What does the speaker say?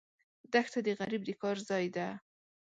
دښته د غریب د کار ځای ده.